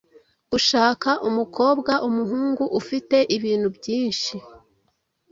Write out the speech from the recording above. gushaka umukobwa/umuhungu ufite ibintu byinshi